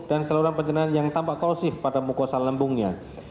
dan seluruh penjenahan yang tampak kalsif pada mukosal lambungnya